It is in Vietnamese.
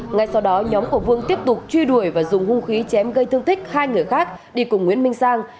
ngay sau đó nhóm của vương tiếp tục truy đuổi và dùng hung khí chém gây thương tích hai người khác đi cùng nguyễn minh sang